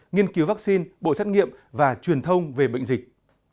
nghiên cứu vaccine bộ xét nghiệm và truyền thông về bệnh dịch